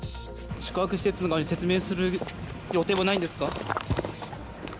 宿泊施設に説明する予定はないんですか？